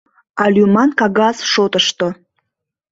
— А лӱман кагаз шотышто.